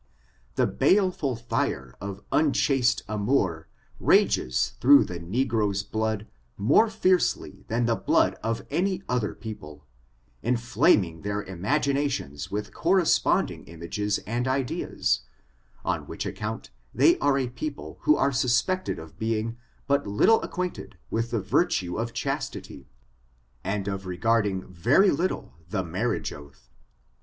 The baleful fire of unchaste amour rages through the negro's blood more fiercely than in the blood of any other people, inflaming their imaginations with corresponding images and ideas, on which account they are a people who are suspected of being but lit tle acquainted with the virtue of chastity, and of re garding very little the marriage oath.